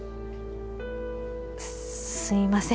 すいません